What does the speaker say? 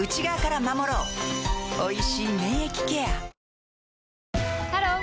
おいしい免疫ケアハロー！